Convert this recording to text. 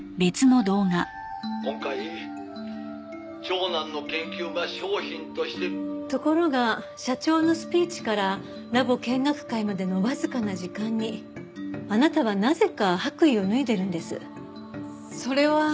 「今回長男の研究が商品として」ところが社長のスピーチからラボ見学会までのわずかな時間にあなたはなぜか白衣を脱いでいるんです。それは。